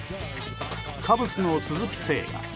カブスの鈴木誠也。